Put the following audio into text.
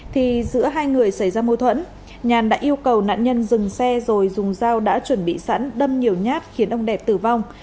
thì giữa hai người xảy ra mâu thuẫn nhàn đã yêu cầu nạn nhân dừng xe rồi dùng dao đã chuẩn bị sẵn đâm nhiều nhát khiến ông đẹp tử vong